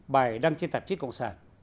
bài đăng trên tạp chức cộng sản